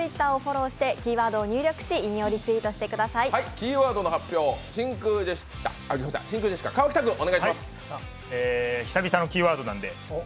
キーワードの発表、真空ジェシカの川北君、お願いします。